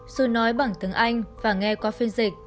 dù nói bằng tiếng anh và nghe qua phiên dịch